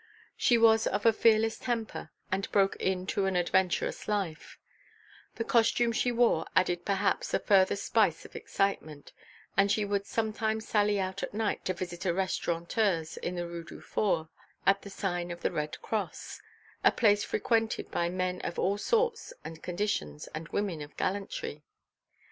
She was of a fearless temper and broken in to an adventurous life; the costume she wore added perhaps a further spice of excitement, and she would sometimes sally out at night to visit a restaurateur's in the Rue du Four, at the sign of the Red Cross, a place frequented by men of all sorts and conditions and women of gallantry.